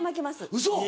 ウソ！